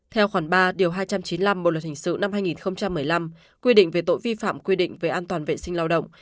theo khoản ba điều hai trăm chín mươi năm bộ luật hình sự năm hai nghìn một mươi năm quy định về tội vi phạm quy định về an toàn vệ sinh lao động